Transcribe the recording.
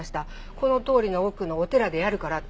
この通りの奥のお寺でやるからって。